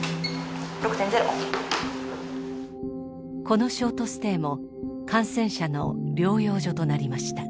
このショートステイも感染者の療養所となりました。